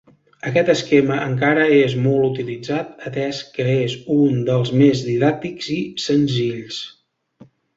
Aquest esquema encara és molt utilitzat atès que és un dels més didàctics i senzills.